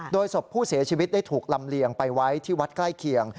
โดยศพผู้เสียชีวิตได้ถูกลำเลียงไปไว้ที่วัดใกล้เคียง